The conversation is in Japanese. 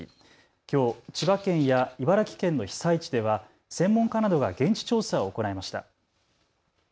きょう千葉県や茨城県の被災地では専門家などが現地調査を行いました。